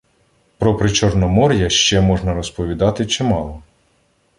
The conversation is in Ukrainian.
Про Причорномор’я ще можна розповідати чимало